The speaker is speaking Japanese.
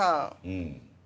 うん。